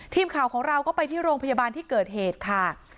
ทีมข่าวของเราก็ไปที่โรงพยาบาลที่เกิดเหตุค่ะ